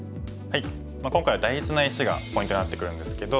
今回は大事な石がポイントになってくるんですけど。